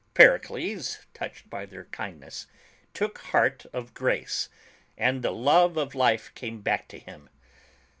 '' Pericles, touched by their kindness, took heart of grace, and the love of life came back to him.